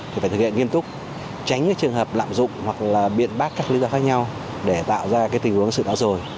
thì phải thực hiện nghiêm túc tránh trường hợp lạm dụng hoặc biện bác các lý do khác nhau để tạo ra tình huống sự đạo rồi